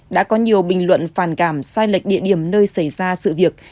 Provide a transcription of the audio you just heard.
đã có nhiều bình luận phản cảm sai lệch địa điểm nơi xảy ra sự việc